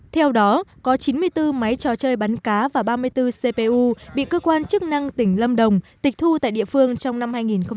theo đó có chín mươi bốn máy trò chơi bắn cá và ba mươi bốn cpu bị cơ quan chức năng tỉnh lâm đồng tịch thu tại địa phương trong năm hai nghìn một mươi tám